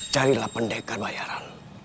carilah pendekar bayaran